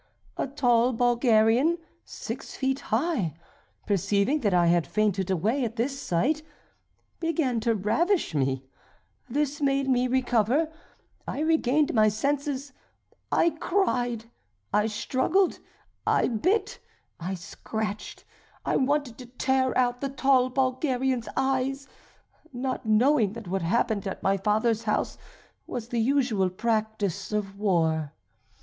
A tall Bulgarian, six feet high, perceiving that I had fainted away at this sight, began to ravish me; this made me recover; I regained my senses, I cried, I struggled, I bit, I scratched, I wanted to tear out the tall Bulgarian's eyes not knowing that what happened at my father's house was the usual practice of war.